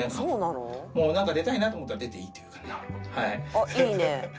「あっいいね！」